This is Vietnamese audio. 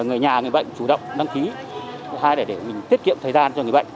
người nhà người bệnh chủ động đăng ký hay để mình tiết kiệm thời gian cho người bệnh